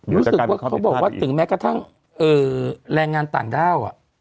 รู้สึกว่าเขาบอกว่าถึงแม้กระทั่งแรงงานต่างด้าว